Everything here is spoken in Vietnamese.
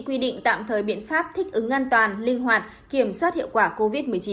quy định tạm thời biện pháp thích ứng an toàn linh hoạt kiểm soát hiệu quả covid một mươi chín